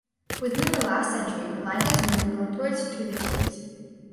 Within the last century the line has moved northwards to the Tees.